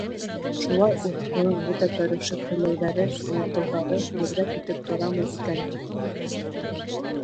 «Шулай уҡ уның бөтә тырышып һөйләүҙәре, аңлатыуҙары елгә китеп торамы икән ни?!»